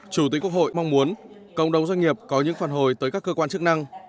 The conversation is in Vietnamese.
chủ tịch quốc hội mong muốn cộng đồng doanh nghiệp có những phản hồi tới các cơ quan chức năng